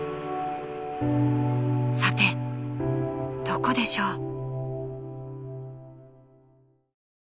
［さてどこでしょう？］